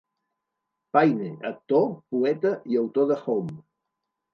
Payne, actor, poeta i autor de Home!